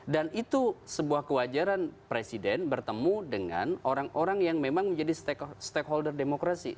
dan itu sebuah kewajaran presiden bertemu dengan orang orang yang memang menjadi stakeholder demokrasi